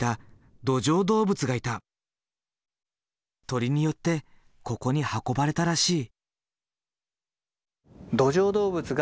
鳥によってここに運ばれたらしい。